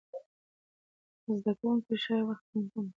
زده کوونکي ښايي وخت تنظیم کړي.